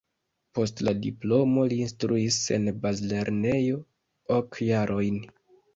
Post la diplomo li instruis en bazlernejo ok jarojn.